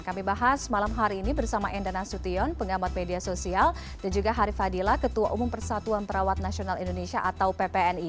kami bahas malam hari ini bersama enda nasution pengamat media sosial dan juga harif fadila ketua umum persatuan perawat nasional indonesia atau ppni